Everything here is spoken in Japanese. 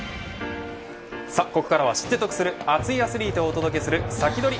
ここから知って得する熱いアスリートをお届けサキドリ！